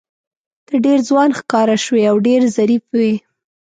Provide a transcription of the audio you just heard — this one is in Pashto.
ته ډېر ځوان ښکاره شوې او ډېر ظریف وې.